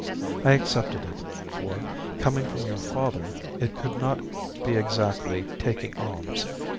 I accepted it, for, coming from your father, it could not be exactly taking alms.